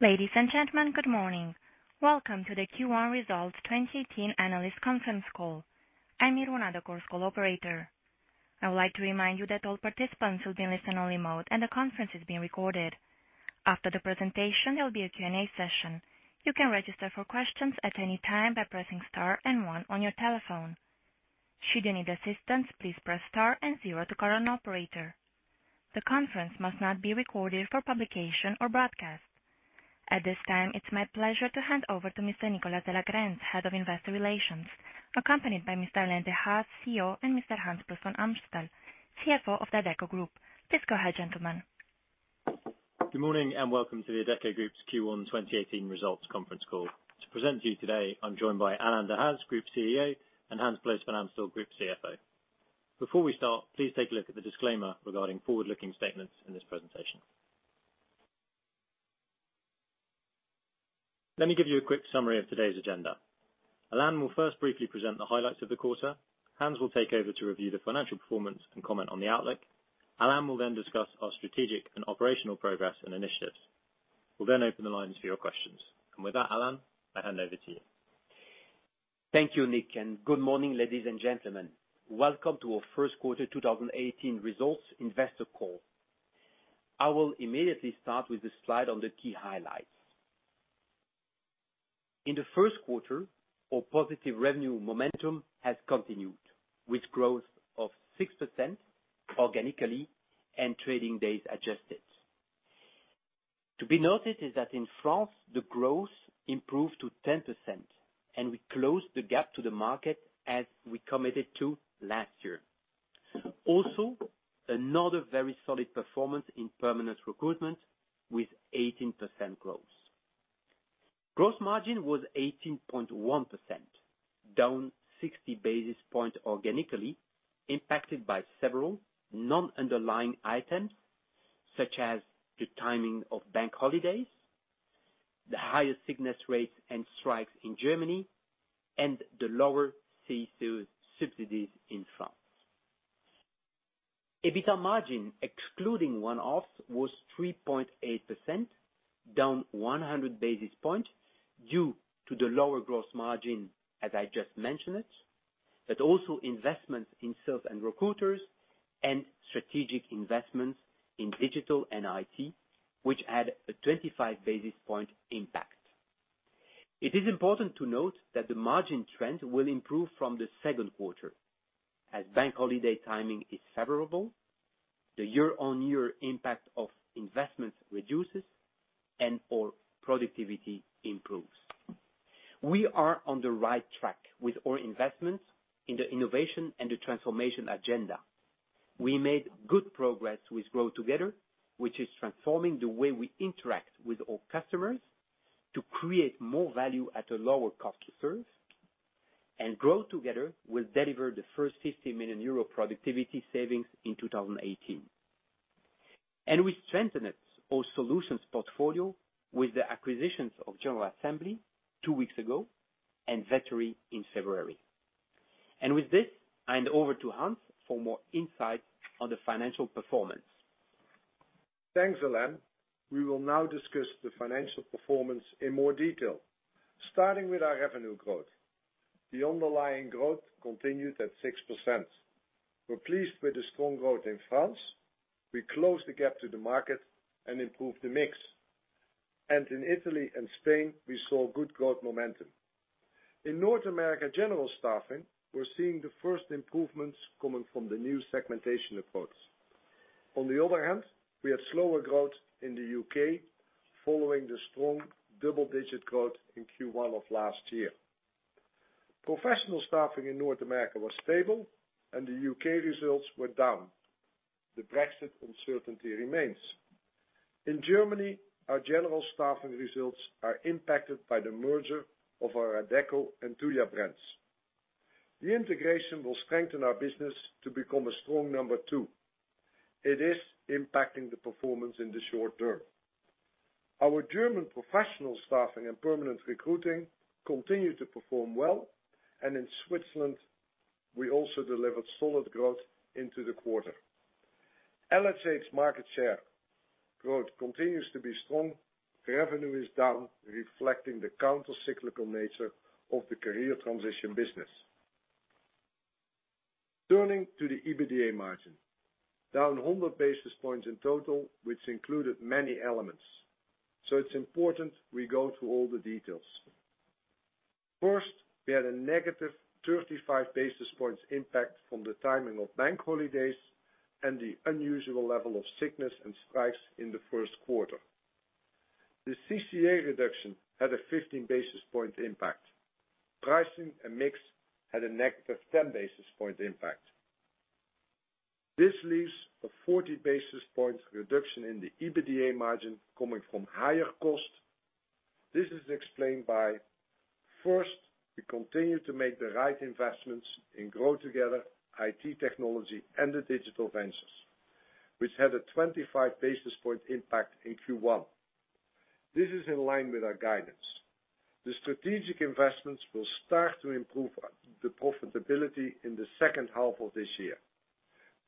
Ladies and gentlemen, good morning. Welcome to the Q1 Results 2018 Analyst Conference Call. I am Irwana, the call operator. I would like to remind you that all participants will be in listen-only mode, and the conference is being recorded. After the presentation, there will be a Q&A session. You can register for questions at any time by pressing star and one on your telephone. Should you need assistance, please press star and zero to call an operator. The conference must not be recorded for publication or broadcast. At this time, it is my pleasure to hand over to Mr. Nicholas de la Grense, Head of Investor Relations, accompanied by Mr. Alain Dehaze, CEO, and Mr. Hans Ploos van Amstel, CFO of the Adecco Group. Please go ahead, gentlemen. Good morning and welcome to the Adecco Group's Q1 2018 Results Conference Call. To present to you today, I am joined by Alain Dehaze, Group CEO, and Hans Ploos van Amstel, Group CFO. Before we start, please take a look at the disclaimer regarding forward-looking statements in this presentation. Let me give you a quick summary of today's agenda. Alain will first briefly present the highlights of the quarter. Hans will take over to review the financial performance and comment on the outlook. Alain will then discuss our strategic and operational progress and initiatives. We will then open the lines for your questions. With that, Alain, I hand over to you. Thank you, Nic, and good morning, ladies and gentlemen. Welcome to our first quarter 2018 results investor call. I will immediately start with the slide on the key highlights. In the first quarter, our positive revenue momentum has continued with growth of 6% organically and trading days adjusted. To be noted is that in France, the growth improved to 10% and we closed the gap to the market as we committed to last year. Also, another very solid performance in permanent recruitment with 18% growth. Gross margin was 18.1%, down 60 basis points organically impacted by several non-underlying items such as the timing of bank holidays, the higher sickness rates and strikes in Germany, and the lower CICE subsidies in France. EBITDA margin, excluding one-offs, was 3.8%, down 100 basis points due to the lower gross margin as I just mentioned, but also investments in sales and recruiters and strategic investments in digital and IT, which had a 25 basis point impact. It is important to note that the margin trend will improve from the second quarter as bank holiday timing is favorable, the year-on-year impact of investments reduces, and our productivity improves. We are on the right track with our investments in the innovation and the transformation agenda. GrowTogether will deliver the first EUR 50 million productivity savings in 2018. We made good progress with GrowTogether, which is transforming the way we interact with our customers to create more value at a lower cost to serve. We strengthened our solutions portfolio with the acquisitions of General Assembly two weeks ago and Vettery in February. With this, I hand over to Hans for more insight on the financial performance. Thanks, Alain. We will now discuss the financial performance in more detail. Starting with our revenue growth. The underlying growth continued at 6%. We are pleased with the strong growth in France. We closed the gap to the market and improved the mix. In Italy and Spain, we saw good growth momentum. In North America General Staffing, we are seeing the first improvements coming from the new segmentation approach. On the other hand, we had slower growth in the U.K. following the strong double-digit growth in Q1 of last year. Professional staffing in North America was stable and the U.K. results were down. The Brexit uncertainty remains. In Germany, our general staffing results are impacted by the merger of our Adecco and Randstad brands. The integration will strengthen our business to become a strong number two. It is impacting the performance in the short term. Our German professional staffing and permanent recruiting continue to perform well. In Switzerland, we also delivered solid growth into the quarter. LHH market share growth continues to be strong. Revenue is down, reflecting the counter-cyclical nature of the career transition business. Turning to the EBITDA margin. Down 100 basis points in total, which included many elements. It is important we go through all the details. First, we had a negative 35 basis points impact from the timing of bank holidays and the unusual level of sickness and strikes in the first quarter. The CICE reduction had a 15 basis point impact. Pricing and mix had a negative 10 basis point impact. This leaves a 40 basis points reduction in the EBITDA margin coming from higher cost. This is explained by first, we continue to make the right investments in GrowTogether, IT technology, and the digital ventures, which had a 25 basis point impact in Q1. This is in line with our guidance. The strategic investments will start to improve the profitability in the second half of this year.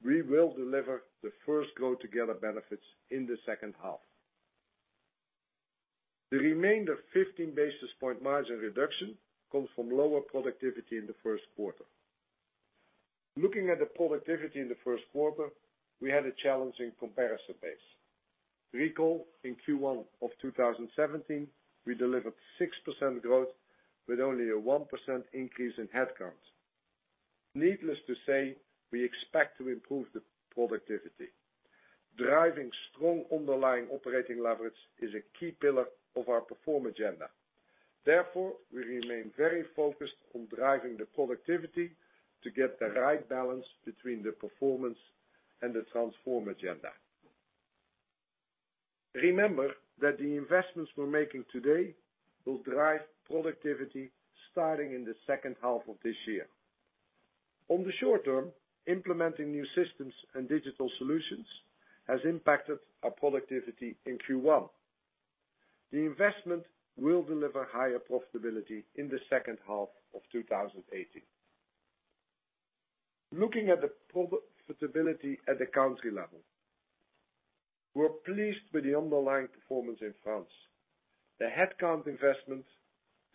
We will deliver the first Grow Together benefits in the second half. The remainder 15 basis point margin reduction comes from lower productivity in the first quarter. Looking at the productivity in the first quarter, we had a challenging comparison base. Recall in Q1 of 2017, we delivered 6% growth with only a 1% increase in headcount. Needless to say, we expect to improve the productivity. Driving strong underlying operating leverage is a key pillar of our perform agenda. Therefore, we remain very focused on driving the productivity to get the right balance between the performance and the transform agenda. Remember that the investments we're making today will drive productivity starting in the second half of this year. On the short term, implementing new systems and digital solutions has impacted our productivity in Q1. The investment will deliver higher profitability in the second half of 2018. Looking at the profitability at the country level. We're pleased with the underlying performance in France. The headcount investment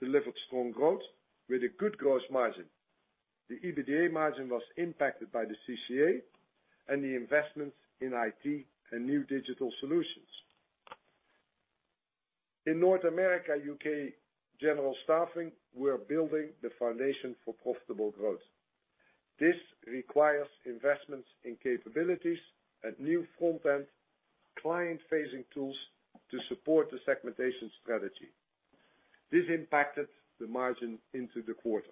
delivered strong growth with a good gross margin. The EBITDA margin was impacted by the CICE and the investments in IT and new digital solutions. In North America, U.K. General Staffing, we are building the foundation for profitable growth. This requires investments in capabilities and new front-end client-facing tools to support the segmentation strategy. This impacted the margin into the quarter.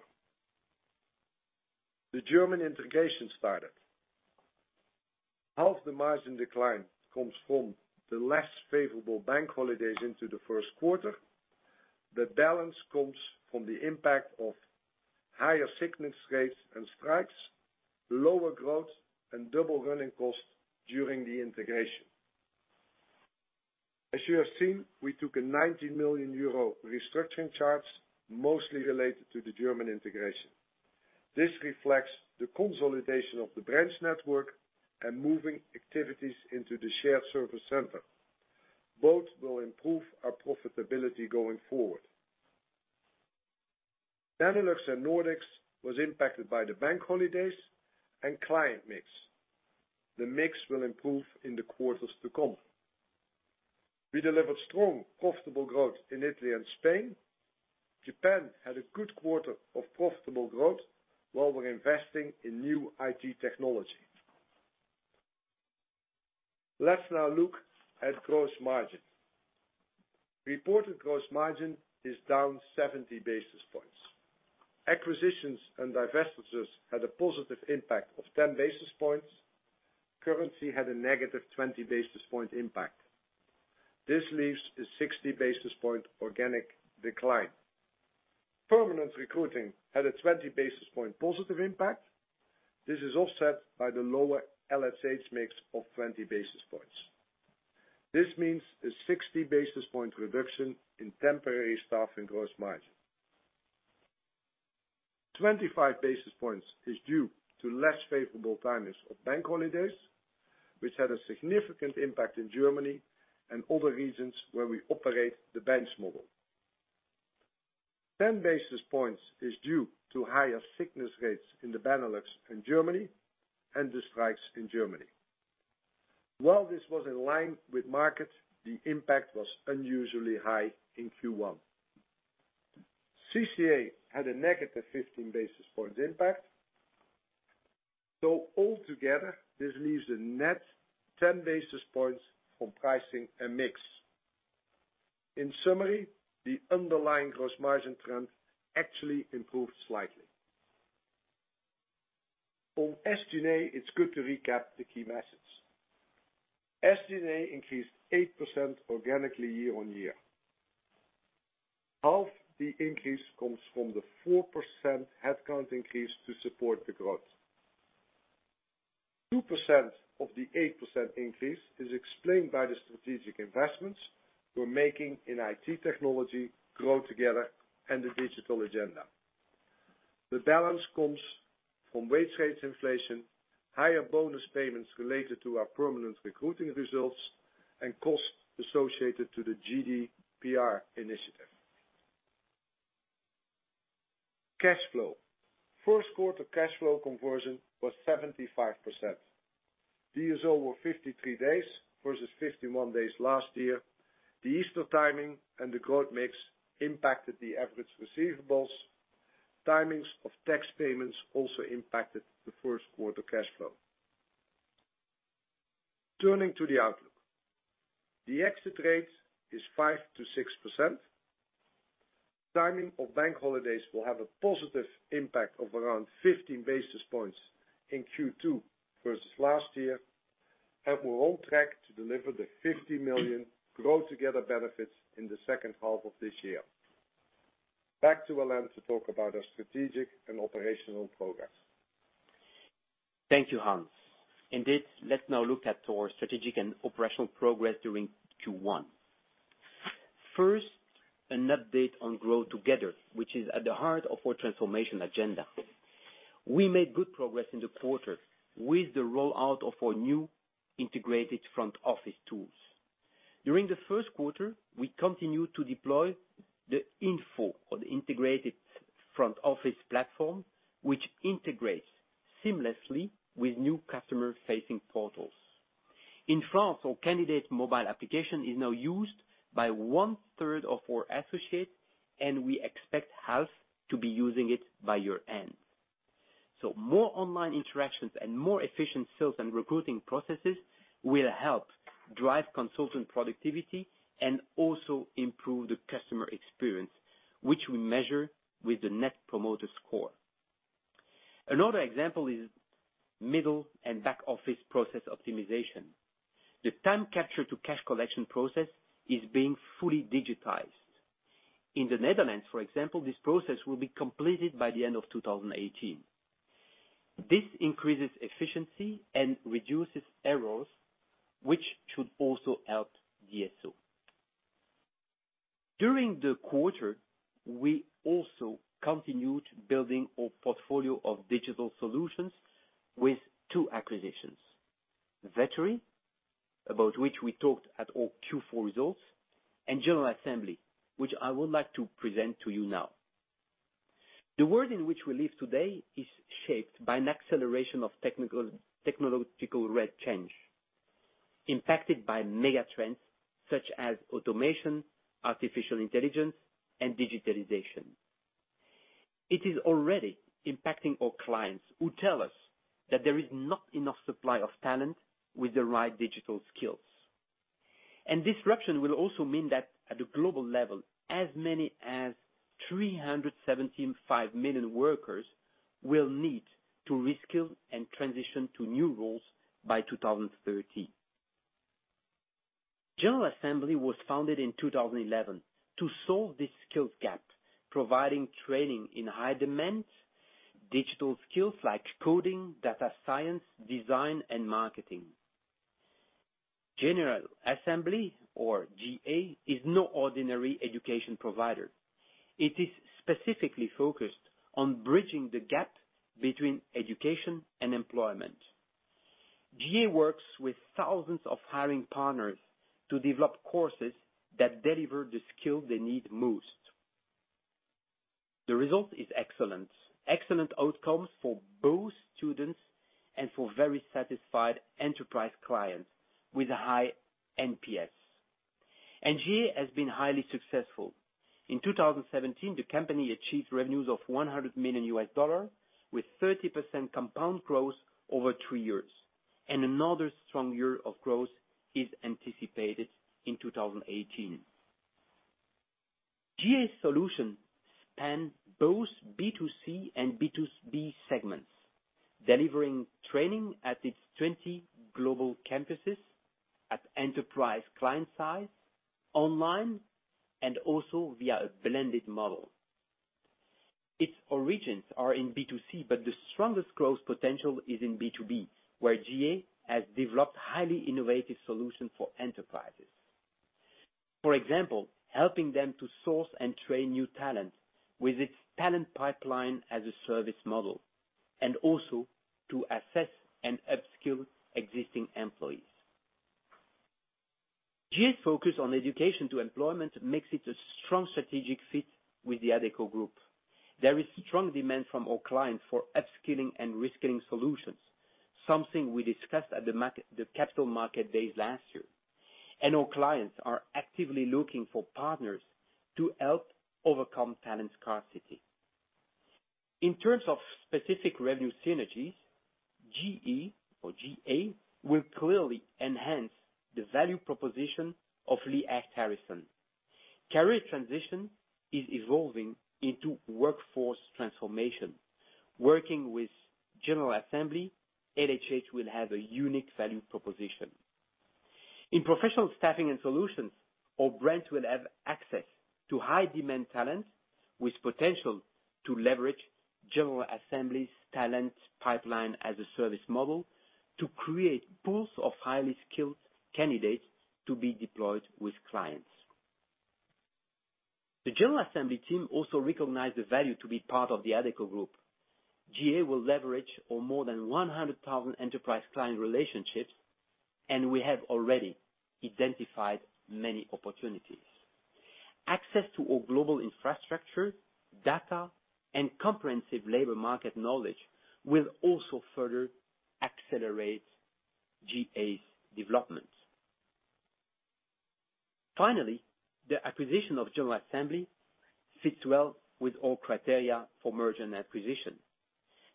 The German integration started. Half the margin decline comes from the less favorable bank holidays into the first quarter. The balance comes from the impact of higher sickness rates and strikes, lower growth, and double running costs during the integration. As you have seen, we took a 90 million euro restructuring charge, mostly related to the German integration. This reflects the consolidation of the branch network and moving activities into the shared service center. Both will improve our profitability going forward. Benelux and Nordics was impacted by the bank holidays and client mix. The mix will improve in the quarters to come. We delivered strong, profitable growth in Italy and Spain. Japan had a good quarter of profitable growth while we're investing in new IT technology. Let's now look at gross margin. Reported gross margin is down 70 basis points. Acquisitions and divestitures had a positive impact of 10 basis points. Currency had a negative 20 basis point impact. This leaves a 60 basis point organic decline. Permanent recruiting had a 20 basis point positive impact. This is offset by the lower LHH mix of 20 basis points. This means a 60 basis point reduction in temporary staffing gross margin. 25 basis points is due to less favorable timings of bank holidays, which had a significant impact in Germany and other regions where we operate the bench model. 10 basis points is due to higher sickness rates in the Benelux and Germany and the strikes in Germany. While this was in line with market, the impact was unusually high in Q1. CICE had a negative 15 basis points impact. Altogether, this leaves a net 10 basis points from pricing and mix. In summary, the underlying gross margin trend actually improved slightly. On SG&A, it's good to recap the key message. SG&A increased 8% organically year-over-year. Half the increase comes from the 4% headcount increase to support the growth. 2% of the 8% increase is explained by the strategic investments we're making in IT technology GrowTogether and the digital agenda. The balance comes from wage rates inflation, higher bonus payments related to our permanent recruiting results, and costs associated to the GDPR initiative. Cash flow. First quarter cash flow conversion was 75%. DSO were 53 days versus 51 days last year. The Easter timing and the growth mix impacted the average receivables. Timings of tax payments also impacted the first quarter cash flow. Turning to the outlook. The exit rate is 5%-6%. Timing of bank holidays will have a positive impact of around 15 basis points in Q2 versus last year. We're on track to deliver the 50 million GrowTogether benefits in the second half of this year. Back to Alain to talk about our strategic and operational progress. Thank you, Hans. Indeed, let's now look at our strategic and operational progress during Q1. First, an update on GrowTogether, which is at the heart of our transformation agenda. We made good progress in the quarter with the rollout of our new integrated front office tools. During the first quarter, we continued to deploy the InFO, or the integrated front office platform, which integrates seamlessly with new customer-facing portals. In France, our candidate mobile application is now used by one-third of our associates, and we expect half to be using it by year-end. More online interactions and more efficient sales and recruiting processes will help drive consultant productivity and also improve the customer experience, which we measure with the Net Promoter Score. Another example is middle and back-office process optimization. The time capture to cash collection process is being fully digitized. In the Netherlands, for example, this process will be completed by the end of 2018. This increases efficiency and reduces errors, which should also help DSO. During the quarter, we also continued building our portfolio of digital solutions with two acquisitions. Vettery, about which we talked at our Q4 results, and General Assembly, which I would like to present to you now. The world in which we live today is shaped by an acceleration of technological rate change, impacted by mega trends such as automation, artificial intelligence, and digitalization. It is already impacting our clients who tell us that there is not enough supply of talent with the right digital skills. Disruption will also mean that at the global level, as many as 375 million workers will need to reskill and transition to new roles by 2030. General Assembly was founded in 2011 to solve this skills gap, providing training in high-demand digital skills like coding, data science, design, and marketing. General Assembly, or GA, is no ordinary education provider. It is specifically focused on bridging the gap between education and employment. GA works with thousands of hiring partners to develop courses that deliver the skills they need most. The result is excellent. Excellent outcomes for both students and for very satisfied enterprise clients with a high NPS. GA has been highly successful. In 2017, the company achieved revenues of $100 million, with 30% compound growth over three years. Another strong year of growth is anticipated in 2018. GA's solution spans both B2C and B2B segments, delivering training at its 20 global campuses at enterprise client sites, online, and also via a blended model. Its origins are in B2C. The strongest growth potential is in B2B, where GA has developed highly innovative solutions for enterprises. For example, helping them to source and train new talent with its talent pipeline as a service model, also to assess and upskill existing employees. GA's focus on education to employment makes it a strong strategic fit with the Adecco Group. There is strong demand from our clients for upskilling and reskilling solutions, something we discussed at the Capital Market Days last year. Our clients are actively looking for partners to help overcome talent scarcity. In terms of specific revenue synergies, GA will clearly enhance the value proposition of Lee Hecht Harrison. Career transition is evolving into workforce transformation. Working with General Assembly, LHH will have a unique value proposition. In professional staffing and solutions, our brands will have access to high-demand talent with potential to leverage General Assembly's talent pipeline as a service model to create pools of highly skilled candidates to be deployed with clients. The General Assembly team also recognized the value to be part of the Adecco Group. GA will leverage our more than 100,000 enterprise client relationships. We have already identified many opportunities. Access to our global infrastructure, data, and comprehensive labor market knowledge will also further accelerate GA's development. Finally, the acquisition of General Assembly fits well with our criteria for merger and acquisition.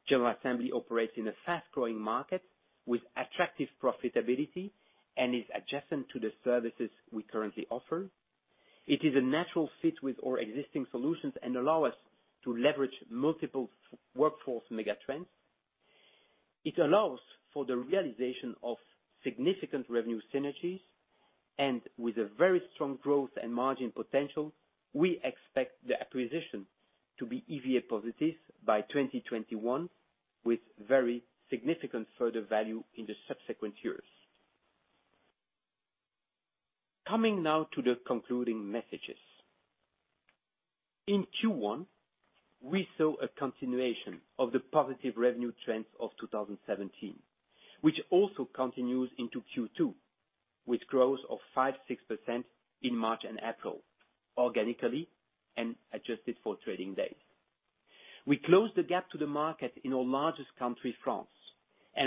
General Assembly operates in a fast-growing market with attractive profitability and is adjacent to the services we currently offer. It is a natural fit with our existing solutions and allow us to leverage multiple workforce mega trends. It allows for the realization of significant revenue synergies. With a very strong growth and margin potential, we expect the acquisition to be EVA positive by 2021, with very significant further value in the subsequent years. Coming now to the concluding messages. In Q1, we saw a continuation of the positive revenue trends of 2017, which also continues into Q2, with growth of 5%-6% in March and April, organically and adjusted for trading days. We closed the gap to the market in our largest country, France.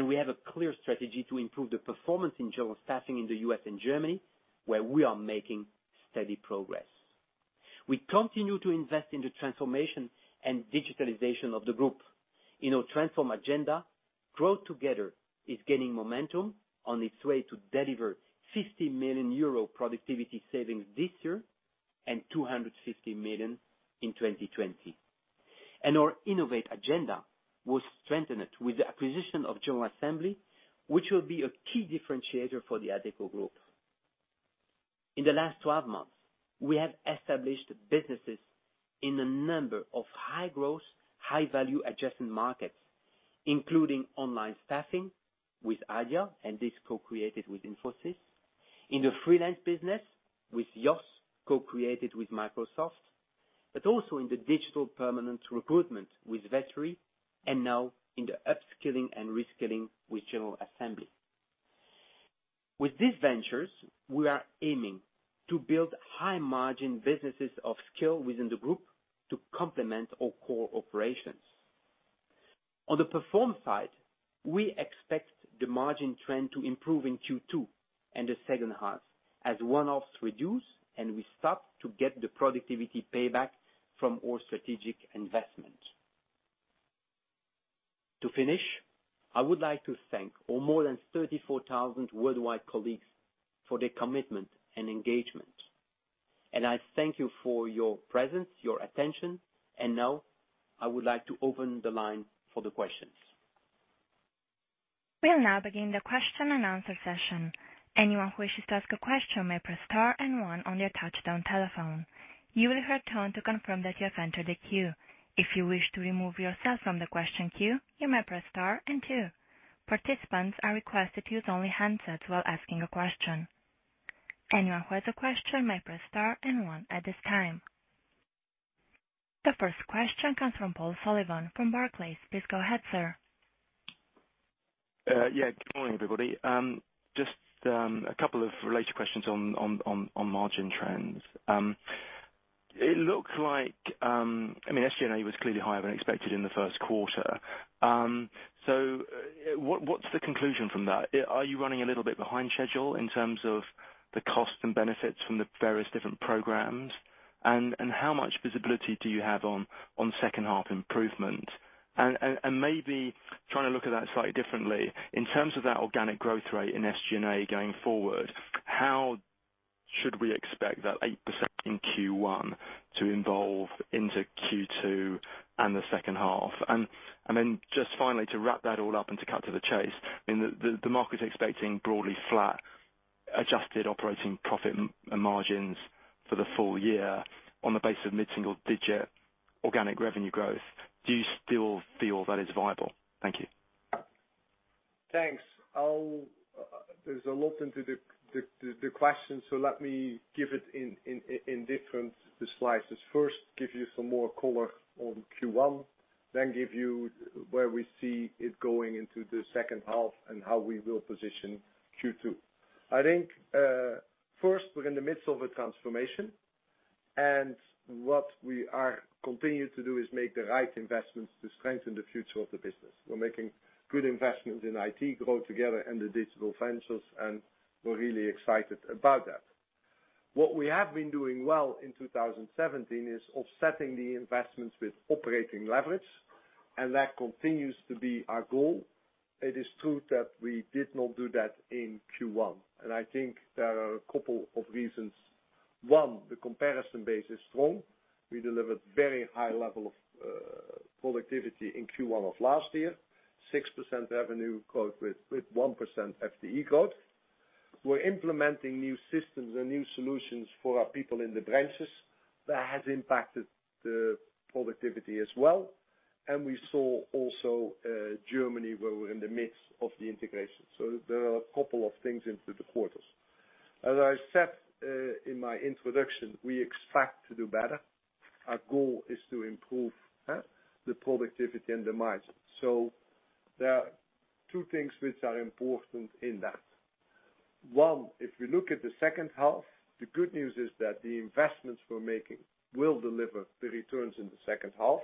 We have a clear strategy to improve the performance in general staffing in the U.S. and Germany, where we are making steady progress. We continue to invest in the transformation and digitalization of the group. In our transform agenda, GrowTogether is gaining momentum on its way to deliver 50 million euro productivity savings this year and 250 million in 2020. Our innovate agenda was strengthened with the acquisition of General Assembly, which will be a key differentiator for the Adecco Group. In the last 12 months, we have established businesses in a number of high growth, high value adjacent markets, including online staffing with Adia. This co-created with Infosys. In the freelance business with YOSS, co-created with Microsoft, also in the digital permanent recruitment with Vettery, and now in the upskilling and reskilling with General Assembly. With these ventures, we are aiming to build high margin businesses of skill within the group to complement our core operations. On the perform side, we expect the margin trend to improve in Q2 and the second half as one-offs reduce. We start to get the productivity payback from our strategic investment. To finish, I would like to thank our more than 34,000 worldwide colleagues for their commitment and engagement. I thank you for your presence, your attention, and now I would like to open the line for the questions. We are now beginning the question and answer session. Anyone who wishes to ask a question may press star and one on their touchtone telephone. You will hear a tone to confirm that you have entered the queue. If you wish to remove yourself from the question queue, you may press star and two. Participants are requested to use only handsets while asking a question. Anyone who has a question may press star and one at this time. The first question comes from Paul Sullivan from Barclays. Please go ahead, sir. Good morning, everybody. Just a couple of related questions on margin trends. It looks like, I mean, SG&A was clearly higher than expected in the first quarter. What's the conclusion from that? Are you running a little bit behind schedule in terms of the cost and benefits from the various different programs? How much visibility do you have on second half improvement? Maybe trying to look at that slightly differently, in terms of that organic growth rate in SG&A going forward, how should we expect that 8% in Q1 to evolve into Q2 and the second half? Just finally to wrap that all up and to cut to the chase, the market's expecting broadly flat adjusted operating profit margins for the full year on the base of mid-single digit organic revenue growth. Do you still feel that is viable? Thank you. Thanks. There's a lot into the question, let me give it in different slices. First, give you some more color on Q1, then give you where we see it going into the second half and how we will position Q2. I think, first, we're in the midst of a transformation. What we are continuing to do is make the right investments to strengthen the future of the business. We're making good investments in IT, GrowTogether, and the digital ventures, and we're really excited about that. What we have been doing well in 2017 is offsetting the investments with operating leverage. That continues to be our goal. It is true that we did not do that in Q1. I think there are a couple of reasons. One, the comparison base is strong. We delivered very high level of productivity in Q1 of last year, 6% revenue growth with 1% FTE growth. We're implementing new systems and new solutions for our people in the branches. That has impacted the productivity as well. We saw also Germany, where we're in the midst of the integration. There are a couple of things into the quarters. As I said in my introduction, we expect to do better. Our goal is to improve the productivity and the margin. There are two things which are important in that. One, if we look at the second half, the good news is that the investments we're making will deliver the returns in the second half.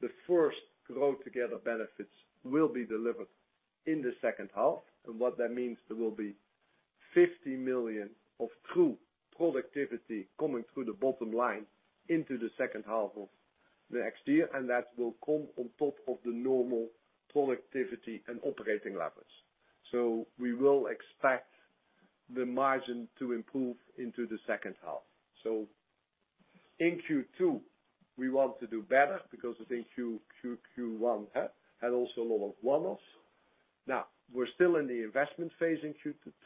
The first Grow Together benefits will be delivered in the second half. What that means, there will be 50 million of true productivity coming through the bottom line into the second half of next year, that will come on top of the normal productivity and operating leverage. We will expect the margin to improve into the second half. In Q2, we want to do better because I think Q1 had also a lot of one-offs. We're still in the investment phase in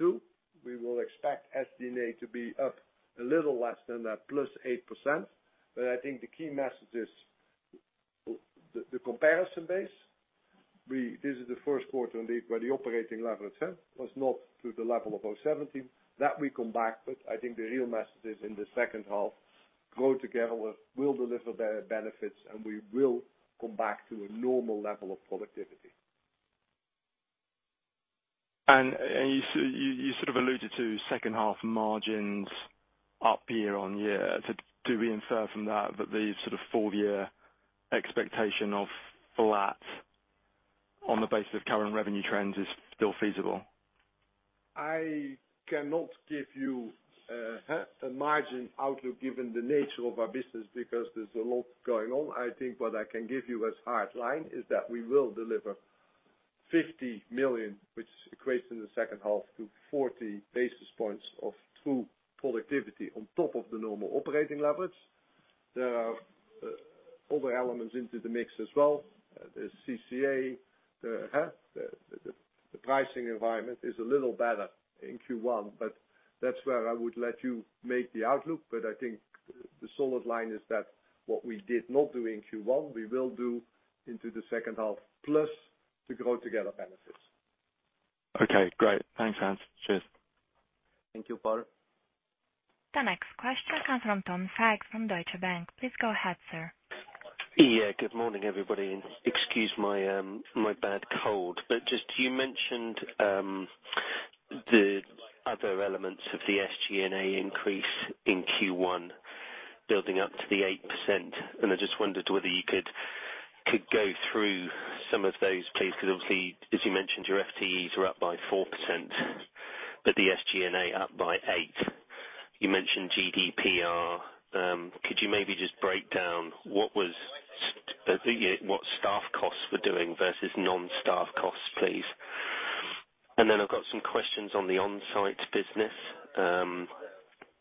Q2. We will expect SG&A to be up a little less than that, plus 8%. I think the key message is the comparison base. This is the first quarter where the operating leverage was not to the level of 2017. That will come back, I think the real message is in the second half, Grow Together will deliver benefits, we will come back to a normal level of productivity. You sort of alluded to second half margins up year-on-year. Do we infer from that the sort of full year expectation of flat on the basis of current revenue trends is still feasible? I cannot give you a margin outlook given the nature of our business, because there's a lot going on. I think what I can give you as hard line is that we will deliver 50 million, which equates in the second half to 40 basis points of true productivity on top of the normal operating leverage. There are other elements into the mix as well. There's CICE. The pricing environment is a little better in Q1, that's where I would let you make the outlook. I think the solid line is that what we did not do in Q1, we will do into the second half, plus the GrowTogether benefits. Okay, great. Thanks, Hans. Cheers. Thank you, Paul. The next question comes from Tom Sykes from Deutsche Bank. Please go ahead, sir. Good morning, everybody. Excuse my bad cold, just you mentioned, the other elements of the SG&A increase in Q1 building up to the 8%, I just wondered whether you could go through some of those, please, because obviously, as you mentioned, your FTEs are up by 4%, the SG&A up by 8. You mentioned GDPR. Could you maybe just break down what staff costs were doing versus non-staff costs, please? I've got some questions on the onsite business.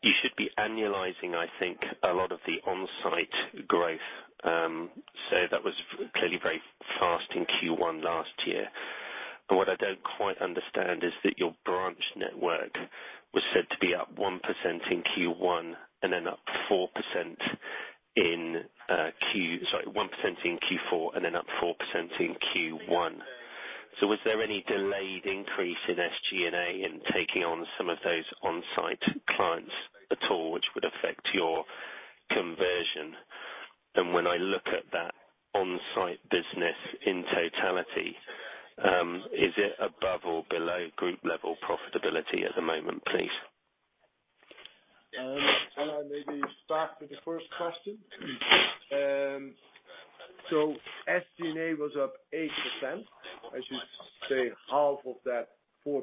You should be annualizing, I think, a lot of the onsite growth. That was clearly very fast in Q1 last year. What I don't quite understand is that your branch network was said to be up 1% in Q4, then up 4% in Q1. Was there any delayed increase in SG&A in taking on some of those onsite clients at all, which would affect your conversion? When I look at that onsite business in totality, is it above or below group level profitability at the moment, please? Maybe start with the first question. SG&A was up 8%. I should say half of that 4%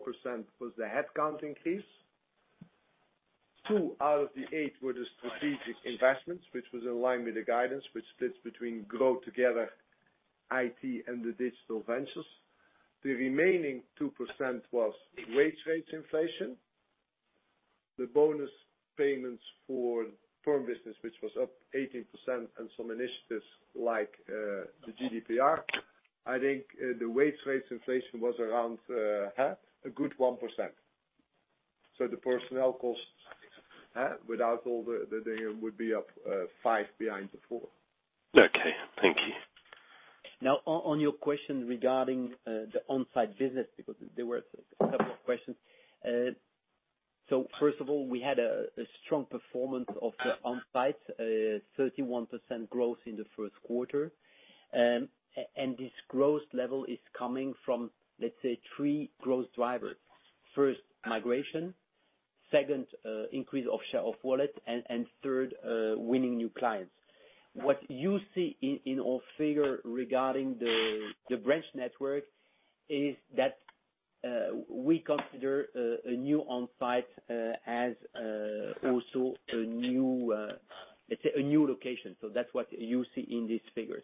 was the headcount increase. 2 out of the 8 were the strategic investments, which was in line with the guidance, which sits between GrowTogether, IT, and the digital ventures. The remaining 2% was wage rates inflation, the bonus payments for perm business, which was up 18%, and some initiatives like the GDPR. I think the wage rates inflation was around a good 1%. The personnel costs, without all the 8, would be up 5 behind the 4. Okay. Thank you. On your question regarding the onsite business, because there were a couple of questions. First of all, we had a strong performance of the onsite, 31% growth in the first quarter. This growth level is coming from, let's say, three growth drivers. First, migration. Second, increase of share of wallet. Third, winning new clients. What you see in our figure regarding the branch network is that we consider a new onsite as also, let's say, a new location. That's what you see in these figures.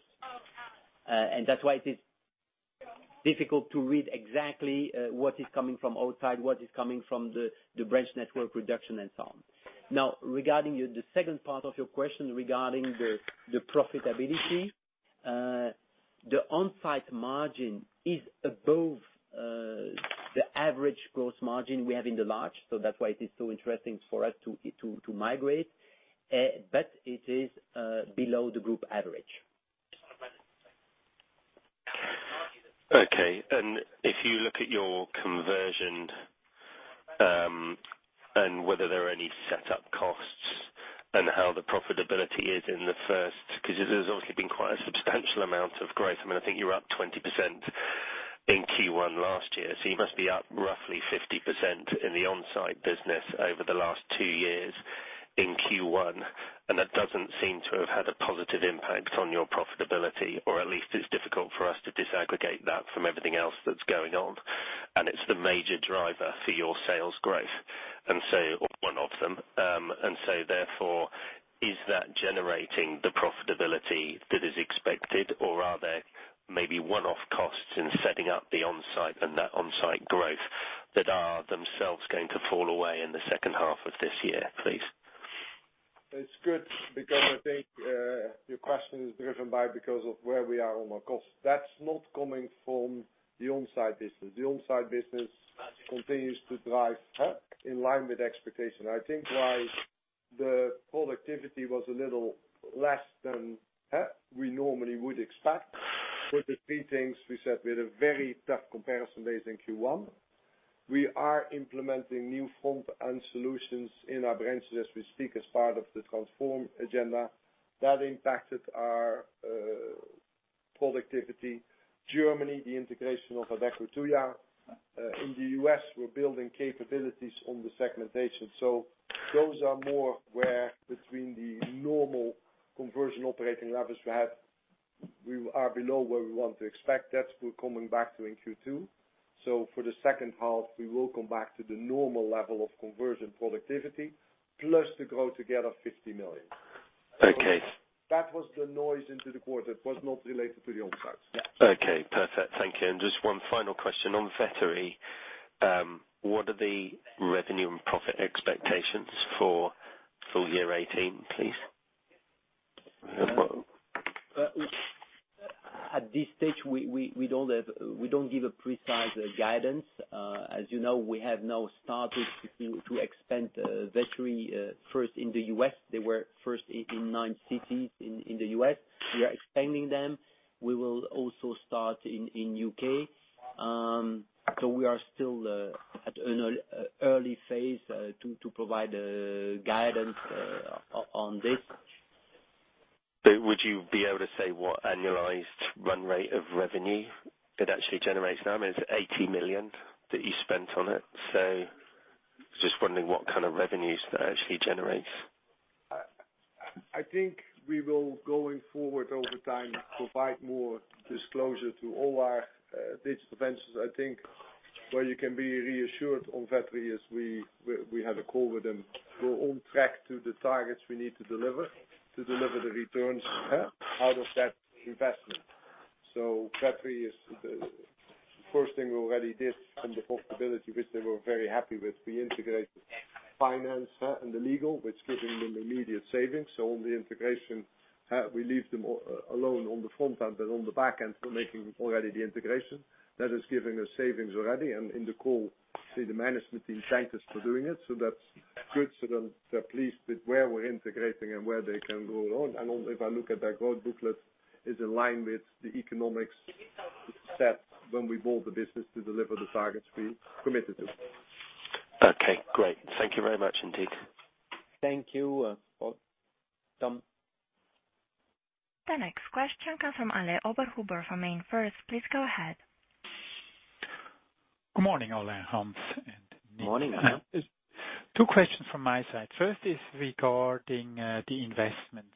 That's why it is difficult to read exactly what is coming from outside, what is coming from the branch network reduction, and so on. Regarding the second part of your question regarding the profitability. The onsite margin is above the average gross margin we have in the large, that's why it is so interesting for us to migrate. It is below the group average. Okay. If you look at your conversion, and whether there are any set up costs and how the profitability is in the first, because there's obviously been quite a substantial amount of growth. I think you were up 20% in Q1 last year, you must be up roughly 50% in the onsite business over the last two years in Q1, that doesn't seem to have had a positive impact on your profitability, or at least it's difficult for us to disaggregate that from everything else that's going on. It's the major driver for your sales growth. Or one of them. Is that generating the profitability that is expected or maybe one-off costs in setting up the onsite and that onsite growth that are themselves going to fall away in the second half of this year, please. It's good because I think your question is driven by because of where we are on our costs. That's not coming from the onsite business. The onsite business continues to drive in line with expectation. I think why the productivity was a little less than we normally would expect, for the three things we said we had a very tough comparison base in Q1. We are implementing new front end solutions in our branches as we speak, as part of the transform agenda. That impacted our productivity. Germany, the integration of Adecco Tuja. In the U.S., we're building capabilities on the segmentation. Those are more where between the normal conversion operating levers we have, we are below where we want to expect that. We're coming back to in Q2. For the second half, we will come back to the normal level of conversion productivity, plus the GrowTogether, 50 million. Okay. That was the noise into the quarter. It was not related to the onsites. Okay, perfect. Thank you. Just one final question on Vettery. What are the revenue and profit expectations for full year 2018, please? At this stage, we don't give a precise guidance. As you know, we have now started to expand Vettery first in the U.S. They were first in nine cities in the U.S. We are expanding them. We will also start in U.K. We are still at an early phase to provide a guidance on this. Would you be able to say what annualized run rate of revenue it actually generates now? I mean, it's 80 million that you spent on it, just wondering what kind of revenues that actually generates. I think we will, going forward over time, provide more disclosure to all our digital ventures. I think where you can be reassured on Vettery is we had a call with them. We're on track to the targets we need to deliver, to deliver the returns out of that investment. Vettery is the first thing we already did on the possibility, which they were very happy with. We integrated finance and the legal, which giving them immediate savings. On the integration, we leave them alone on the front end, but on the back end, we're making already the integration. That is giving us savings already. In the call, see the management team thanked us for doing it. That's good for them. They're pleased with where we're integrating and where they can go on. Also, if I look at their growth booklet, it's in line with the economics set when we bought the business to deliver the targets we committed to. Okay, great. Thank you very much indeed. Thank you. The next question comes from Alain-Sebastian Oberhuber from MainFirst. Please go ahead. Good morning, Alain, Hans, and Nic. Morning, Alain. Two questions from my side. First, regarding the investments.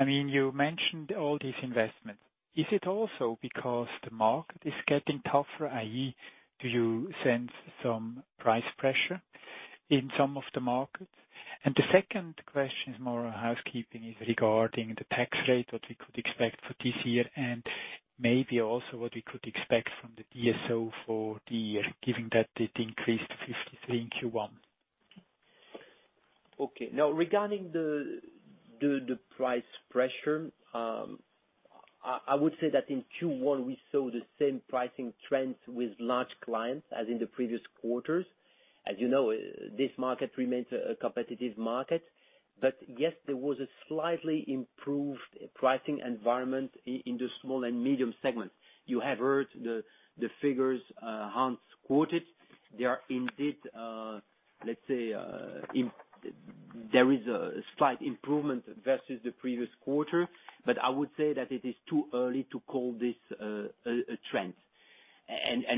You mentioned all these investments. Is it also because the market is getting tougher, i.e., do you sense some price pressure in some of the markets? The second question is more housekeeping. It's regarding the tax rate, what we could expect for this year, and maybe also what we could expect from the DSO for the year, given that it increased to 53 in Q1. Okay. Now regarding the price pressure, I would say that in Q1, we saw the same pricing trends with large clients as in the previous quarters. As you know, this market remains a competitive market. Yes, there was a slightly improved pricing environment in the small and medium segment. You have heard the figures Hans quoted. There is a slight improvement versus the previous quarter. I would say that it is too early to call this a trend.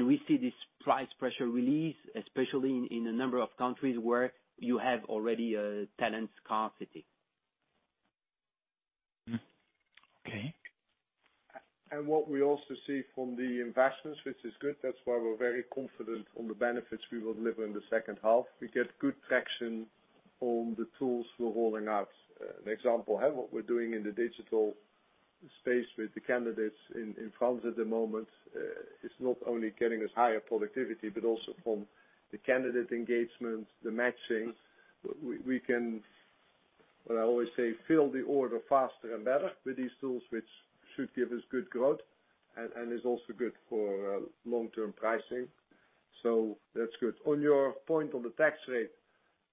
We see this price pressure release, especially in a number of countries where you have already a talent scarcity. Okay. What we also see from the investments, which is good, that's why we're very confident on the benefits we will deliver in the second half. We get good traction on the tools we're rolling out. An example, what we're doing in the digital space with the candidates in France at the moment, it's not only getting us higher productivity, but also from the candidate engagement, the matching. We can, what I always say, fill the order faster and better with these tools, which should give us good growth, and is also good for long-term pricing. That's good. On your point on the tax rate,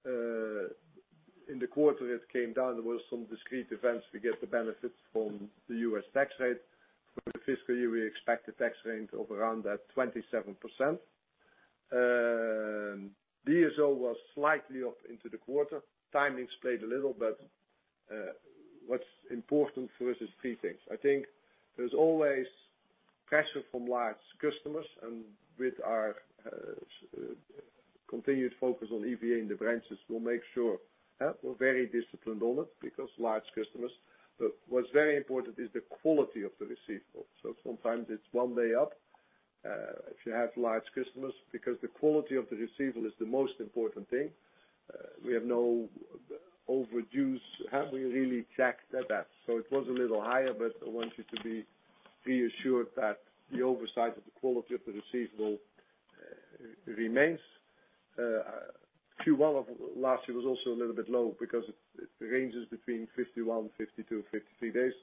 in the quarter it came down. There were some discrete events to get the benefits from the U.S. tax rate. For the fiscal year, we expect the tax rate of around that 27%. DSO was slightly up into the quarter. Timing played a little, but what's important for us is three things. I think there's always pressure from large customers, and with our continued focus on EVA in the branches, we'll make sure we're very disciplined on it because large customers. What's very important is the quality of the receivable. Sometimes it's one day up, if you have large customers, because the quality of the receivable is the most important thing. We have no overdue. We really checked that. It was a little higher, but I want you to be reassured that the oversight of the quality of the receivable remains. Q1 of last year was also a little bit low because it ranges between 51, 52, 53 days.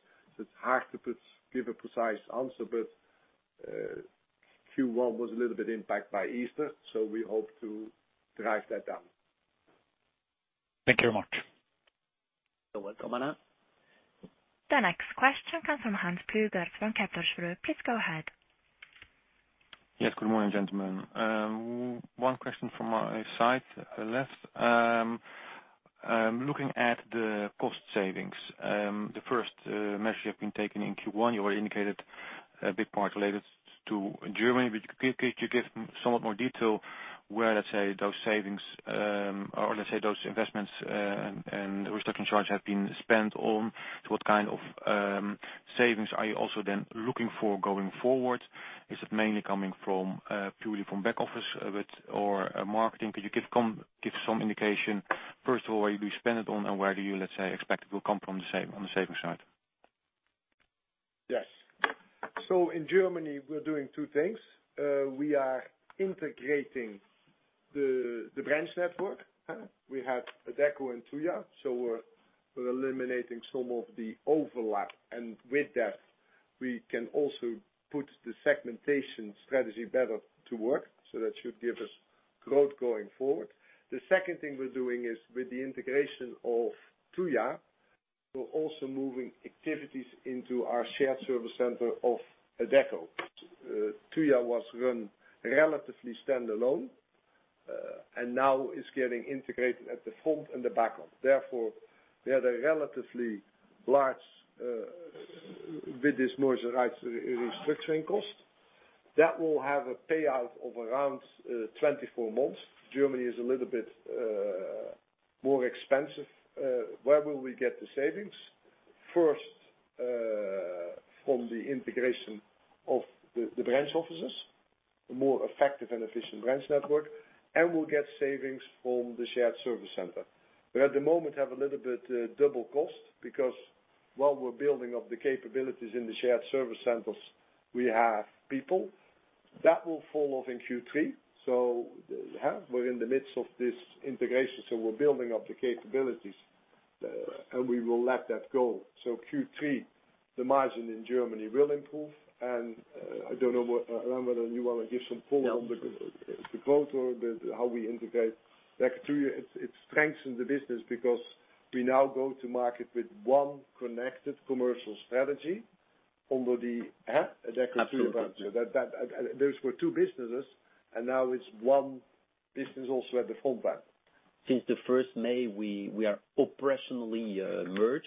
It's hard to give a precise answer, but Q1 was a little bit impacted by Easter, so we hope to drive that down. Thank you very much. You are welcome. The next question comes from Hans Pluijgers from Kepler Cheuvreux. Please go ahead. Yes. Good morning, gentlemen. One question from my side, let'. Looking at the cost savings, the first measure you have been taking in Q1, you already indicated a big part related to Germany. Could you give somewhat more detail where, let's say, those savings, or let's say those investments and restructuring charge have been spent on? What kind of savings are you also then looking for going forward? Is it mainly coming purely from back office or marketing? Could you give some indication, first of all, where you spend it on and where do you, let's say, expect it will come from the saving side? Yes. In Germany, we're doing two things. We are integrating the branch network. We have Adecco and Tuja. We're eliminating some of the overlap. With that, we can also put the segmentation strategy better to work. That should give us growth going forward. The second thing we're doing is with the integration of Tuja, we're also moving activities into our shared service center of Adecco. Tuja was run relatively standalone, and now it's getting integrated at the front and the back office. Therefore, we had a relatively large, with this merger, restructuring cost. That will have a payout of around 24 months. Germany is a little bit more expensive. Where will we get the savings? First, from the integration of the branch offices, a more effective and efficient branch network, and we'll get savings from the shared service center. We at the moment have a little bit double cost because while we're building up the capabilities in the shared service centers, we have people. That will fall off in Q3. We're in the midst of this integration, we're building up the capabilities, and we will let that go. Q3, the margin in Germany will improve, and I don't know, Alain, whether you want to give some color on the growth or how we integrate Adecco Tuja. It strengthens the business because we now go to market with one connected commercial strategy under the Adecco Group brand. Those were two businesses, and now it's one business also at the front end. Since the first May, we are operationally merged.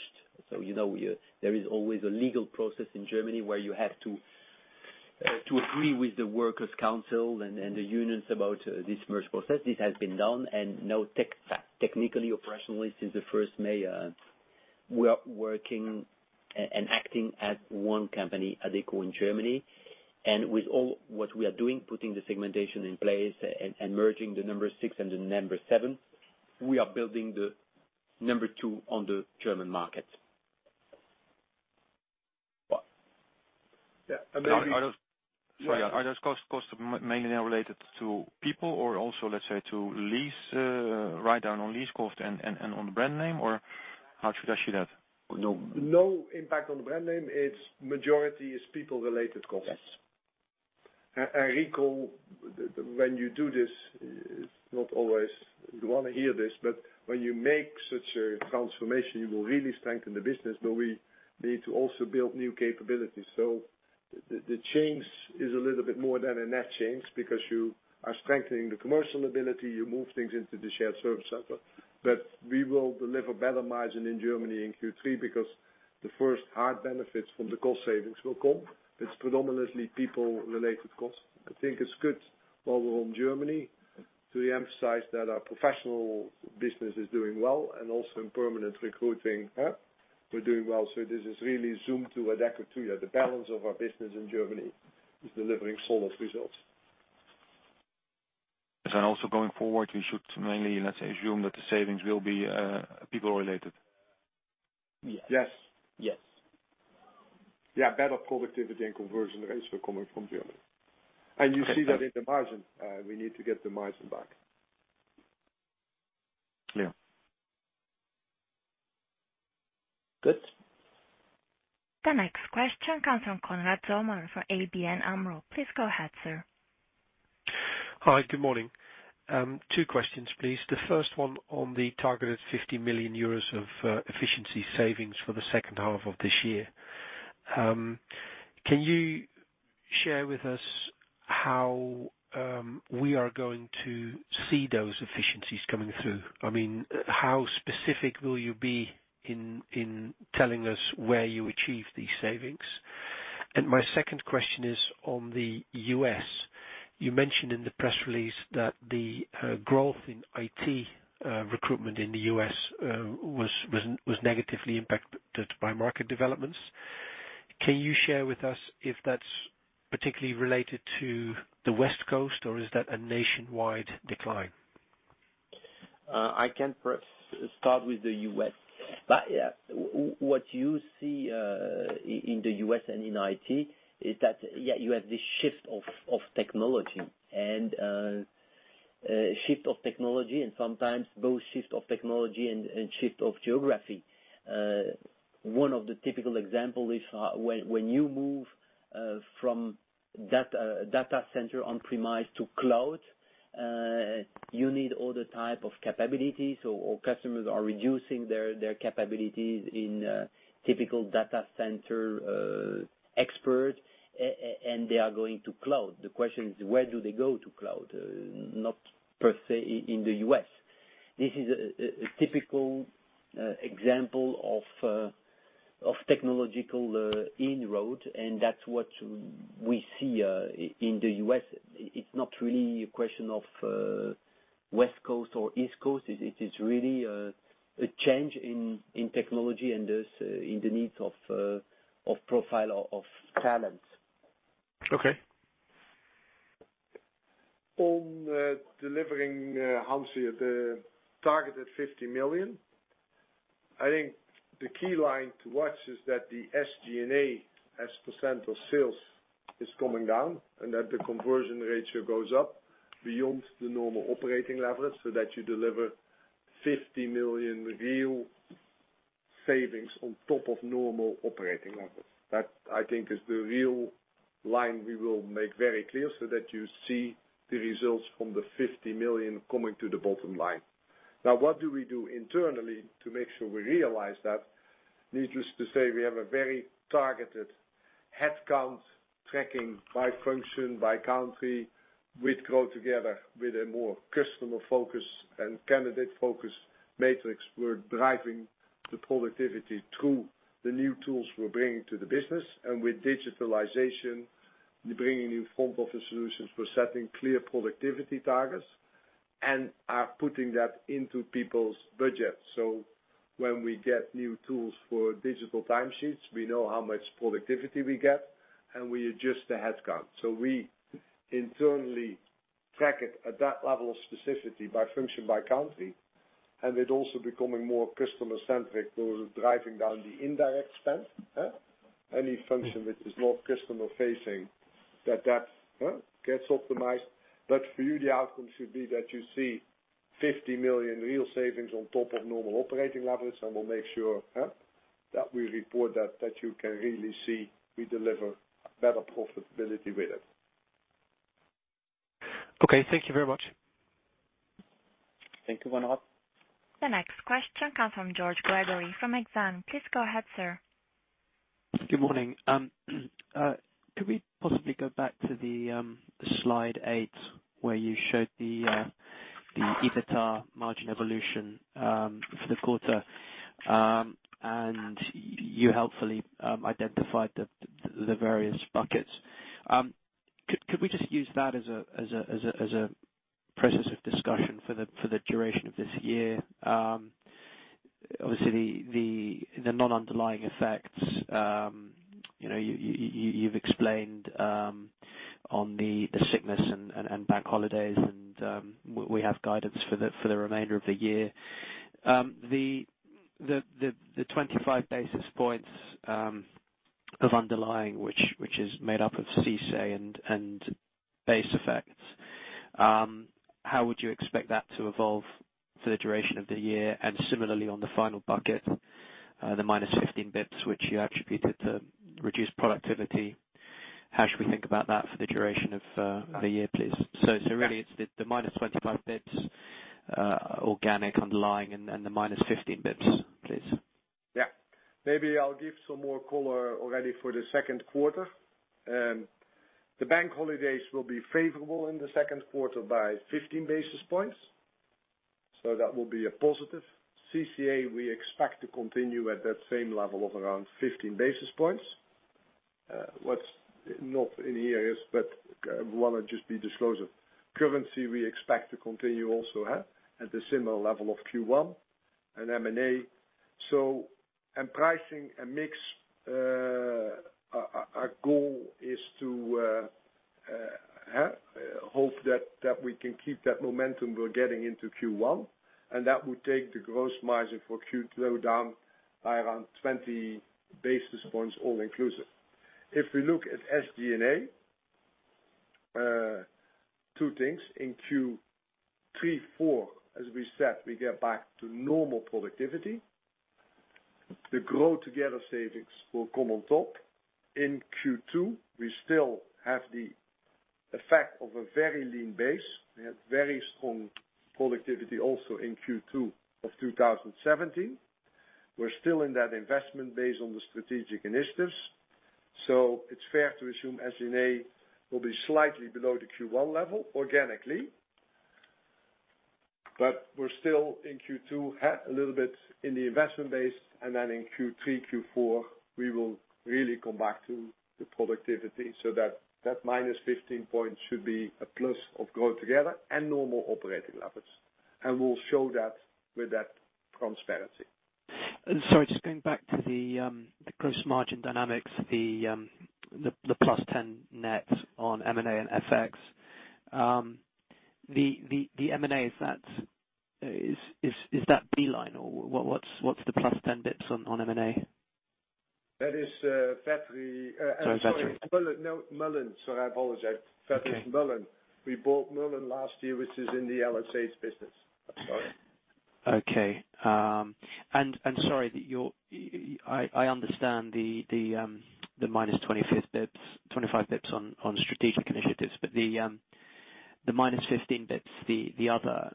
You know, there is always a legal process in Germany where you have to agree with the workers' council and the unions about this merge process. This has been done, and now technically, operationally, since the first May, we are working and acting as one company, Adecco in Germany. With all what we are doing, putting the segmentation in place and merging the number 6 and the number 7, we are building the number 2 on the German market. Yeah. Amazing. Sorry, are those costs mainly now related to people or also, let's say, to write down on lease cost and on the brand name? How should I see that? No impact on the brand name. Majority is people-related costs. Yes. I recall, when you do this, it's not always you want to hear this, but when you make such a transformation, you will really strengthen the business, but we need to also build new capabilities. The change is a little bit more than a net change because you are strengthening the commercial ability. You move things into the shared service center. We will deliver better margin in Germany in Q3 because the first hard benefits from the cost savings will come. It's predominantly people-related costs. I think it's good while we're on Germany to emphasize that our professional business is doing well, and also in permanent recruiting, we're doing well. This is really zoomed to Adecco Tuja. The balance of our business in Germany is delivering solid results. Also going forward, we should mainly, let's say, assume that the savings will be people related. Yes. Yes. Yeah, better productivity and conversion rates will coming from Germany. You see that in the margin. We need to get the margin back. Yeah. Good. The next question comes from Konrad Zomer for ABN AMRO. Please go ahead, sir. Hi, good morning. 2 questions, please. The first one on the targeted 50 million euros of efficiency savings for the second half of this year. Can you share with us how we are going to see those efficiencies coming through? I mean, how specific will you be in telling us where you achieve these savings? My second question is on the U.S. You mentioned in the press release that the growth in IT recruitment in the U.S. was negatively impacted by market developments. Can you share with us if that's particularly related to the West Coast, or is that a nationwide decline? I can perhaps start with the U.S. What you see in the U.S. and in IT is that you have this shift of technology, and sometimes both shift of technology and shift of geography. One of the typical example is when you move from data center on-premise to cloud, you need other type of capabilities or customers are reducing their capabilities in typical data center expert, and they are going to cloud. The question is, where do they go to cloud? Not per se in the U.S. This is a typical example of technological inroad, and that's what we see in the U.S. It's not really a question of West Coast or East Coast. It is really a change in technology and thus in the needs of profile of talents. Okay. On delivering, Hans, the target at 50 million. I think the key line to watch is that the SG&A as percent of sales is coming down and that the conversion ratio goes up beyond the normal operating levels, so that you deliver 50 million real savings on top of normal operating levels. That, I think, is the real line we will make very clear so that you see the results from the 50 million coming to the bottom line. What do we do internally to make sure we realize that? Needless to say, we have a very targeted headcount tracking by function, by country, with GrowTogether, with a more customer-focused and candidate-focused matrix. We're driving the productivity through the new tools we're bringing to the business and with digitalization, we're bringing new front office solutions. We're setting clear productivity targets and are putting that into people's budgets. When we get new tools for digital timesheets, we know how much productivity we get, and we adjust the headcount. We internally track it at that level of specificity by function, by country, and with also becoming more customer-centric, we're driving down the indirect spend. Any function which is not customer facing, that gets optimized. For you, the outcome should be that you see 50 million real savings on top of normal operating levels, and we'll make sure that we report that you can really see we deliver better profitability with it. Thank you very much. Thank you, Konrad. The next question comes from George Gregory from Exane. Please go ahead, sir. Good morning. Could we possibly go back to the slide eight where you showed the EBITDA margin evolution for the quarter, and you helpfully identified the various buckets. Could we just use that as a process of discussion for the duration of this year? Obviously, the non-underlying effects, you've explained on the sickness and bank holidays, and we have guidance for the remainder of the year. The 25 basis points of underlying, which is made up of CICE and base effects, how would you expect that to evolve for the duration of the year? Similarly, on the final bucket, the minus 15 basis points, which you attributed to reduced productivity, how should we think about that for the duration of the year, please? Really it's the minus 25 basis points organic underlying and the minus 15 basis points, please. Yeah. Maybe I'll give some more color already for the second quarter. The bank holidays will be favorable in the second quarter by 15 basis points. That will be a positive. CICE, we expect to continue at that same level of around 15 basis points. What's not in here is, but want to just be disclosed. Currency, we expect to continue also at the similar level of Q1 and M&A. Pricing and mix, our goal is to hope that we can keep that momentum we're getting into Q1, and that would take the gross margin for Q2 down by around 20 basis points, all inclusive. If we look at SG&A, two things. In Q3, Q4, as we said, we get back to normal productivity. The GrowTogether savings will come on top. In Q2, we still have the effect of a very lean base. We had very strong productivity also in Q2 of 2017. We're still in that investment base on the strategic initiatives. It's fair to assume SG&A will be slightly below the Q1 level organically. We're still in Q2 a little bit in the investment base, and then in Q3, Q4, we will really come back to the productivity so that that minus 15 points should be a plus of GrowTogether and normal operating levels. We'll show that with that transparency. Sorry, just going back to the gross margin dynamics, the +10 net on M&A and FX. The M&A, is that Beeline, or what's the +10 basis points on M&A? That is Vettery. Sorry, Vettery. No, Mullin. Sorry, I apologize. Okay. Vettery is Mullin. We bought Mullin last year, which is in the LHH business. Sorry. Okay. Sorry, I understand the minus 25 basis points on strategic initiatives, the minus 15 basis points, the other,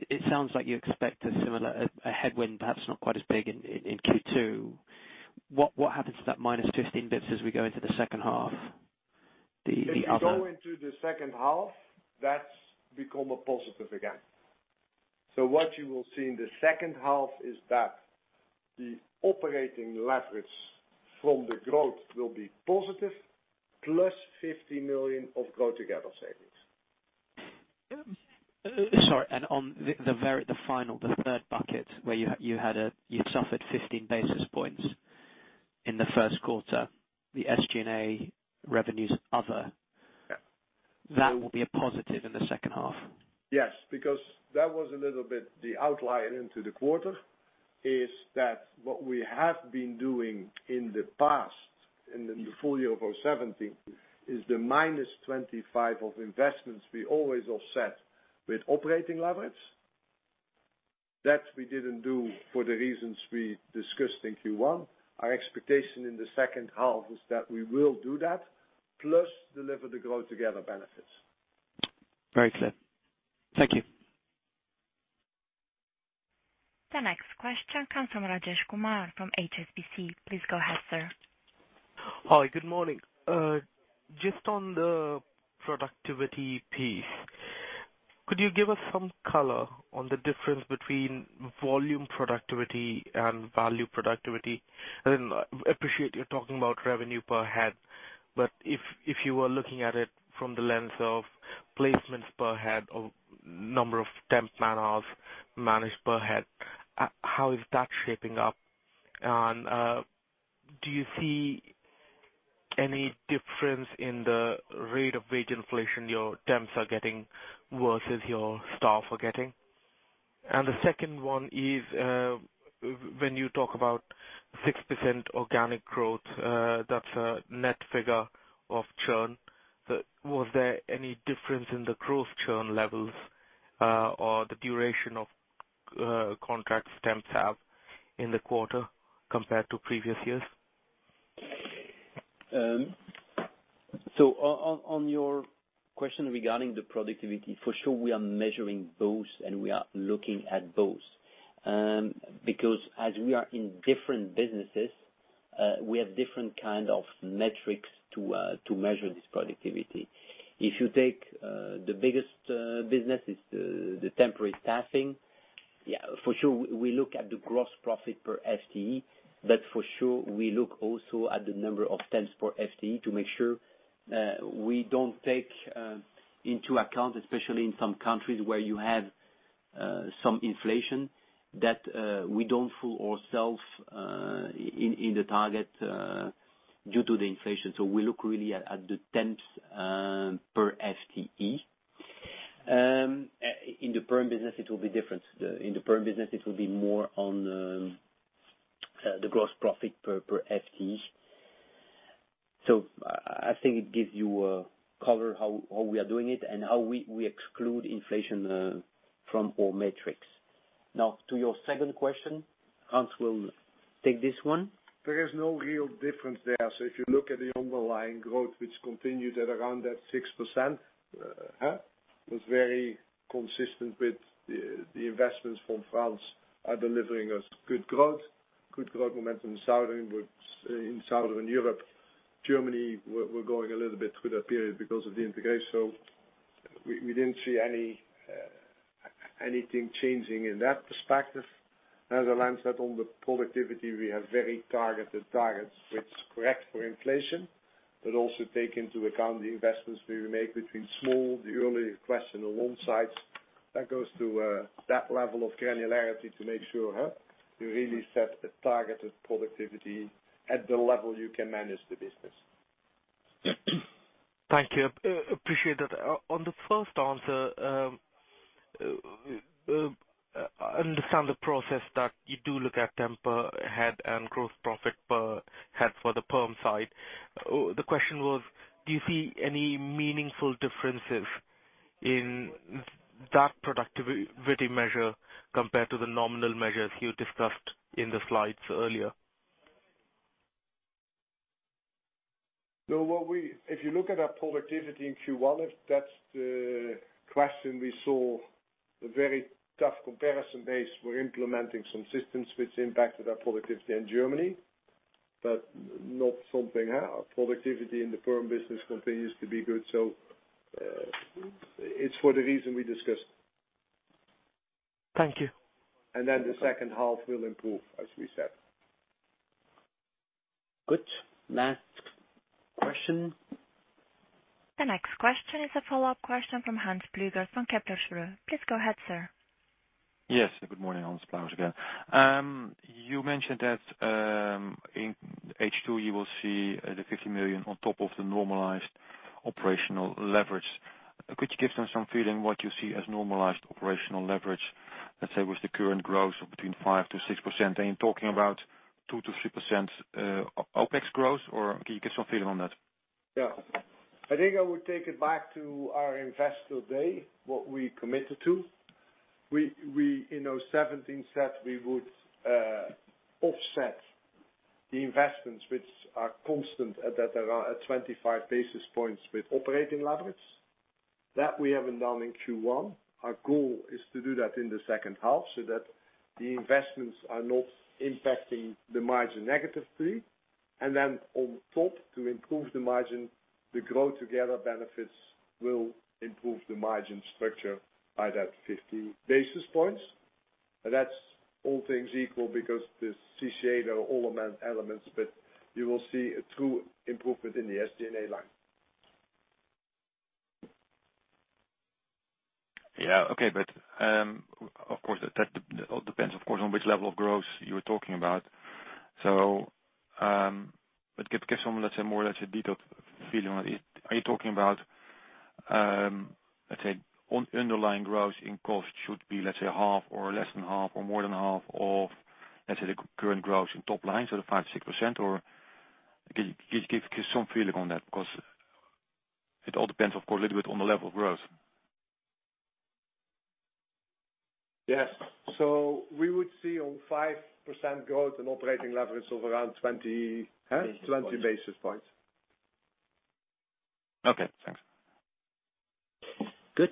it sounds like you expect a similar headwind, perhaps not quite as big in Q2. What happens to that minus 15 basis points as we go into the second half? The other. If you go into the second half, that's become a positive again. What you will see in the second half is that the operating leverage from the growth will be positive, plus 50 million of GrowTogether savings. Sorry, on the final, the third bucket where you suffered 15 basis points in the first quarter, the SG&A revenues other. Yeah. That will be a positive in the second half. Yes, because that was a little bit the outlier into the quarter is that what we have been doing in the past, in the full year of 2017, is the minus 25 of investments we always offset with operating leverage. That we didn't do for the reasons we discussed in Q1. Our expectation in the second half is that we will do that, plus deliver the GrowTogether benefits. Very clear. Thank you. The next question comes from Rajesh Kumar from HSBC. Please go ahead, sir. Hi, good morning. Just on the productivity piece, could you give us some color on the difference between volume productivity and value productivity? I appreciate you're talking about revenue per head, but if you were looking at it from the lens of placements per head or number of temp man-hours managed per head, how is that shaping up? Do you see any difference in the rate of wage inflation your temps are getting versus your staff are getting? The second one is, when you talk about 6% organic growth, that's a net figure of churn. Was there any difference in the growth churn levels, or the duration of contracts temps have in the quarter compared to previous years? On your question regarding the productivity, for sure we are measuring both and we are looking at both. Because as we are in different businesses, we have different kind of metrics to measure this productivity. If you take the biggest business is the temporary staffing, for sure we look at the gross profit per FTE, but for sure we look also at the number of temps per FTE to make sure we don't take into account, especially in some countries where you have some inflation, that we don't fool ourselves in the target due to the inflation. We look really at the temps per FTE. In the perm business it will be different. In the perm business it will be more on the gross profit per FTE. I think it gives you a color how we are doing it and how we exclude inflation from all metrics. Now to your second question, Hans will take this one. There is no real difference there. If you look at the underlying growth, which continued at around that 6%, was very consistent with the investments from France are delivering us good growth, good growth momentum in Southern Europe. Germany, we're going a little bit through that period because of the integration, so we didn't see anything changing in that perspective. As Alain said, on the productivity, we have very targeted targets, which correct for inflation, but also take into account the investments we make, the earlier question on one side, that goes to that level of granularity to make sure we really set a targeted productivity at the level you can manage the business. Thank you. Appreciate that. On the first answer, I understand the process that you do look at temp per head and gross profit per head for the perm side. The question was, do you see any meaningful differences in that productivity measure compared to the nominal measures you discussed in the slides earlier? If you look at our productivity in Q1, if that's the question, we saw a very tough comparison base. We're implementing some systems which impacted our productivity in Germany. Our productivity in the perm business continues to be good. It's for the reason we discussed. Thank you. The second half will improve, as we said. Good. Next question. The next question is a follow-up question from Hans Pluijgers from Kepler Cheuvreux. Please go ahead, sir. Yes. Good morning, Hans Pluijgers. You mentioned that in H2 you will see the 50 million on top of the normalized operational leverage. Could you give us some feeling what you see as normalized operational leverage, let's say, with the current growth of between 5%-6%? Are you talking about 2%-3% OPEX growth, or can you give some feeling on that? Yeah. I think I would take it back to our investor day, what we committed to. We, in 2017, said we would offset the investments, which are constant at 25 basis points with operating leverage. That we haven't done in Q1. Our goal is to do that in the second half so that the investments are not impacting the margin negatively. Then on top, to improve the margin, the GrowTogether benefits will improve the margin structure by that 50 basis points. That's all things equal because the CCA, there are all amount elements, but you will see a true improvement in the SG&A line. Yeah. Okay. Of course, that all depends, of course, on which level of growth you're talking about. Give some, let's say, more, let's say, detailed feeling. Are you talking about, let's say, underlying growth in cost should be, let's say, half or less than half or more than half of, let's say the current growth in top line, so the 5%-6%? Give some feeling on that because it all depends, of course, a little bit on the level of growth. Yes. We would see a 5% growth in operating leverage of around 20 basis points. Okay, thanks. Good.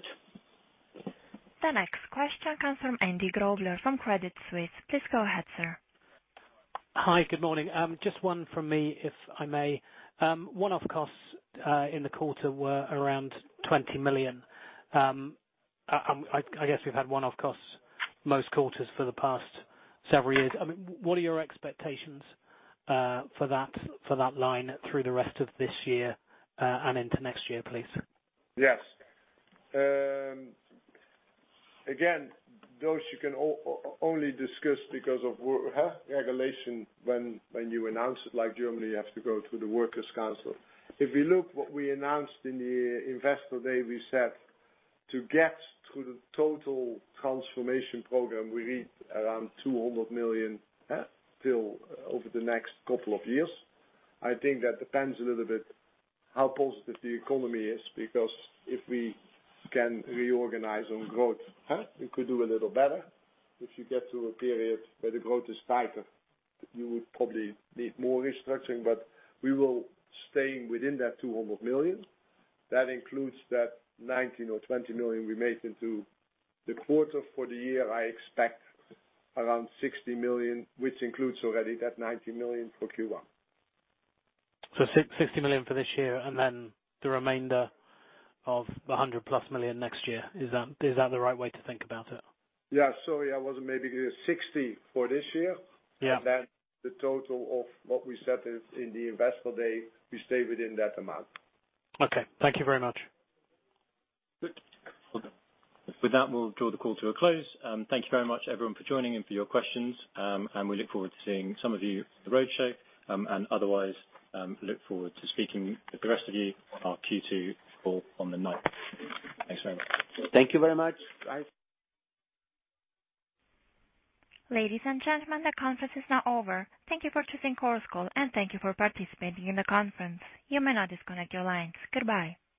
The next question comes from Andrew Grobler from Credit Suisse. Please go ahead, sir. Hi. Good morning. Just one from me, if I may. One-off costs, in the quarter, were around 20 million. I guess we've had one-off costs most quarters for the past several years. What are your expectations for that line through the rest of this year, and into next year, please? Yes. Those you can only discuss because of regulation when you announce it, like Germany, you have to go through the workers' council. If you look what we announced in the investor day, we said to get to the total transformation program, we need around 200 million over the next couple of years. I think that depends a little bit how positive the economy is, because if we can reorganize on growth, we could do a little better. If you get to a period where the growth is tighter, you would probably need more restructuring, but we will staying within that 200 million. That includes that 19 million or 20 million we made into the quarter. For the year, I expect around 60 million, which includes already that 19 million for Q1. Sixty million for this year, and then the remainder of the 100 million plus next year. Is that the right way to think about it? Yeah. Sorry, I wasn't maybe clear. 60 for this year. Yeah. The total of what we said in the investor day, we stay within that amount. Okay. Thank you very much. Good. With that, we'll draw the call to a close. Thank you very much everyone for joining and for your questions. We look forward to seeing some of you at the roadshow, otherwise, look forward to speaking with the rest of you on our Q2 call on the ninth. Thanks very much. Thank you very much. Bye. Ladies and gentlemen, the conference is now over. Thank you for choosing Chorus Call, and thank you for participating in the conference. You may now disconnect your lines. Goodbye.